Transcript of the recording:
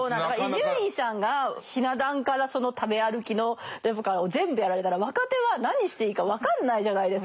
伊集院さんがひな壇からその食べ歩きのレポからを全部やられたら若手は何していいか分かんないじゃないですか。